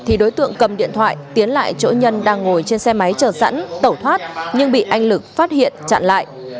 thì đối tượng cầm điện thoại tiến lại chỗ nhân đang ngồi trên xe máy chờ sẵn tẩu thoát nhưng bị anh lực phát hiện chặn lại